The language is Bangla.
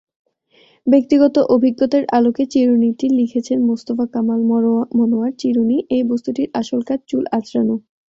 ব্যক্তিগত অভিজ্ঞতার আলোকে লিখেছেন মোস্তফা মনোয়ারচিরুনিএই বস্তুটির আসল কাজ চুল আঁচড়ানো।